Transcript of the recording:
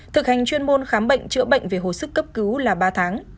thực hành chuyên môn khám bệnh chữa bệnh về hồi sức cấp cứu là ba tháng